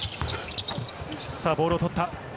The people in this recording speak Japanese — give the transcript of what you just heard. ボールを取った。